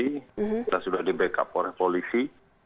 kita sudah di backup oleh polisi